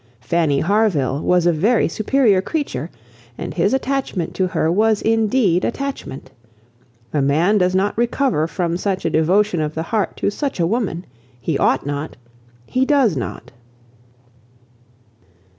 Fanny Harville was a very superior creature, and his attachment to her was indeed attachment. A man does not recover from such a devotion of the heart to such a woman. He ought not; he does not."